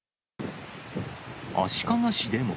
足利市でも。